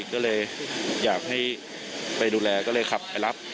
ก็เลยอยากให้ไปดูแลก็เลยขับไปรับ